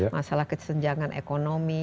masalah kesenjangan ekonomi